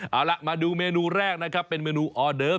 เอาล่ะมาดูเมนูแรกนะครับเป็นเมนูออเดิฟ